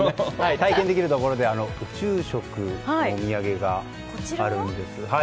体験できるところで宇宙食、お土産があるんです。